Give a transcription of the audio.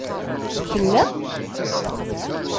Tella?